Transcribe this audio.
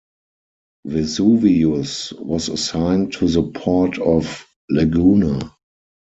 "Vesuvius" was assigned to the port of Laguna.